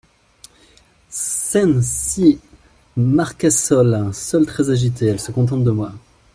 Scène six Marcassol, seul, très agité. — Elle se contente de moi…